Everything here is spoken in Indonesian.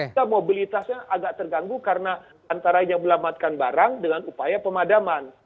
kita mobilitasnya agak terganggu karena antaranya melamatkan barang dengan upaya pemadaman